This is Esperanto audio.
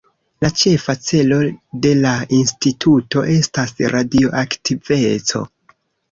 La ĉefa celo de la Instituto estas radioaktiveco.